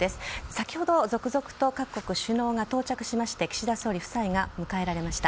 先ほど続々と各国首脳が到着しまして岸田総理夫妻が迎えました。